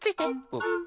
うん。